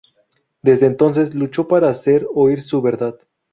Desde entonces, luchó por hacer oír su verdad.